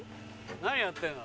何やってんだ？